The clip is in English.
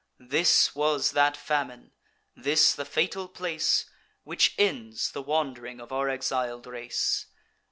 This was that famine, this the fatal place Which ends the wand'ring of our exil'd race.